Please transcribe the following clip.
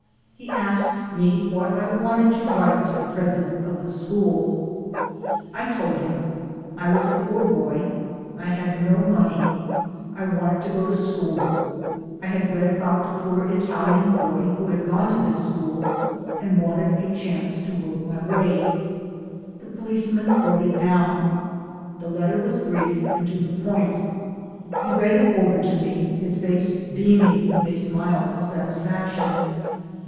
He asked me what I wanted to write to the president of the school. I told him: I was a poor boy; I had no money; I wanted to go to school; I had read about the poor Italian boy who had gone to this school, and wanted a chance to work my way. The police man wrote it down. The letter was brief and to the point. He read it over to me, his face beaming with a smile of satisfaction.